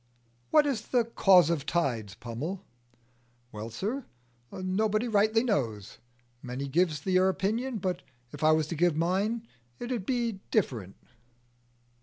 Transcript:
"What is the cause of the tides, Pummel?" "Well, sir, nobody rightly knows. Many gives their opinion, but if I was to give mine, it 'ud be different."